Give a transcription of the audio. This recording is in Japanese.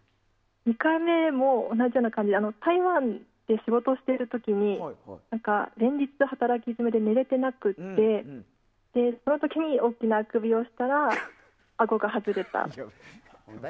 ２回目も同じような感じで台湾で仕事をしている時に連日働きづめで寝れていなくてその時に大きなあくびをしたらあごが外れた。